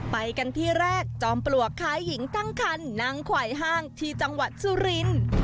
ไปกันที่แรกจอมปลวกคล้ายหญิงตั้งคันนั่งขวายห้างที่จังหวัดสุรินทร์